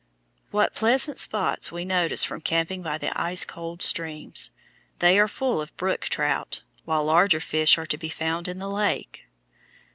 What pleasant spots we notice for camping by the ice cold streams! They are full of brook trout, while larger fish are to be found in the lake.